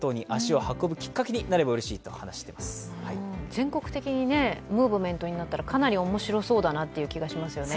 全国的にムーブメントになったらかなり面白そうだなという気がしますよね。